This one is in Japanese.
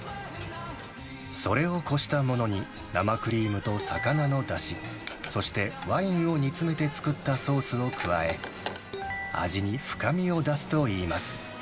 それをこしたものに、生クリームと魚のだし、そして、ワインを煮詰めて作ったソースを加え、味に深みを出すといいます。